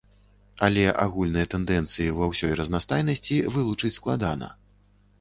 Але агульныя тэндэнцыі ва ўсёй разнастайнасці вылучыць складана.